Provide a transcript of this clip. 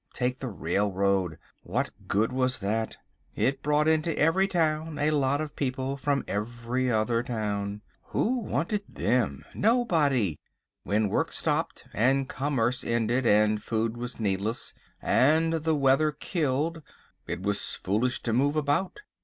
Take the railroad, what good was that? It brought into every town a lot of people from every other town. Who wanted them? Nobody. When work stopped and commerce ended, and food was needless, and the weather killed, it was foolish to move about.